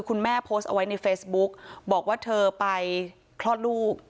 โพสต์เอาไว้ในเฟซบุ๊กบอกว่าเธอไปคลอดลูก